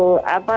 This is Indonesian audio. oh enggak pak